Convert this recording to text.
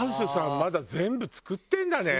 まだ全部作ってるんだね。